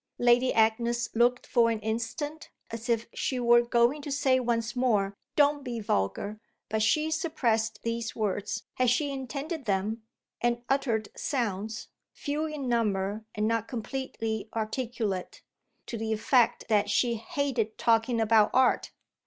Lady Agnes looked for an instant as if she were going to say once more "Don't be vulgar!" But she suppressed these words, had she intended them, and uttered sounds, few in number and not completely articulate, to the effect that she hated talking about art.